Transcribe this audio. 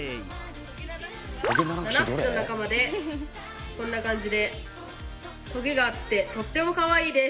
ナナフシの仲間でこんな感じでトゲがあってとってもかわいいです！